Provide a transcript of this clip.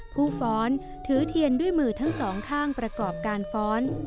ฟ้อนถือเทียนด้วยมือทั้งสองข้างประกอบการฟ้อน